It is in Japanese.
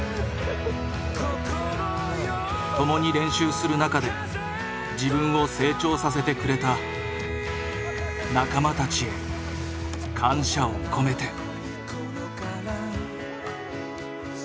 共に練習する中で自分を成長させてくれた仲間たちへ感謝を込めて。